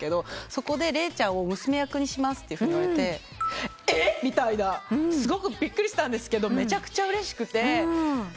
そこで礼ちゃんを娘役にしますと言われて「えっ！？」みたいな。すごくびっくりしたんですけどめちゃくちゃうれしくて。